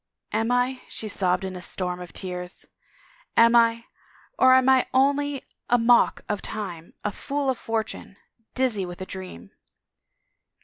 "Am I?" she sobbed in a storm of tears. "Am I? ... Or am I only a mock of time, a fool of fortune, dizzy with a dream